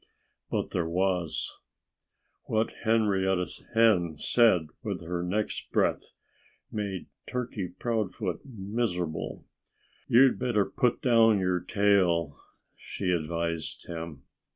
But there was. What Henrietta Hen said with her next breath made Turkey Proudfoot miserable. "You'd better put down your tail," she advised him.